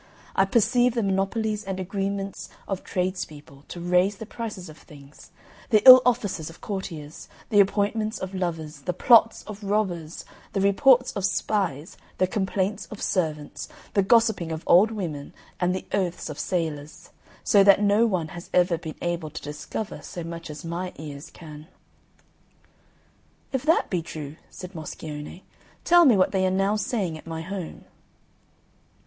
I perceive the monopolies and agreements of tradespeople to raise the prices of things, the ill offices of courtiers, the appointments of lovers, the plots of robbers, the reports of spies, the complaints of servants, the gossiping of old women, and the oaths of sailors; so that no one has ever been able to discover so much as my ears can." "If that be true," said Moscione, "tell me what they are now saying at my home."